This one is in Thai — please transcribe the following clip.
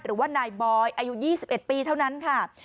หรือว่านายบอยอายุ๒๑ปีเท่านั้นค่ะ